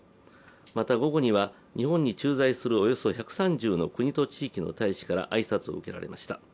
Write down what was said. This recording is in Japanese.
また午後には、日本に駐在するおよそ１３０の国と地域の大使から挨拶を受けられました。